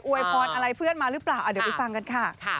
วยพรอะไรเพื่อนมาหรือเปล่าเดี๋ยวไปฟังกันค่ะ